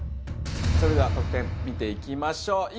それでは得点見ていきましょう。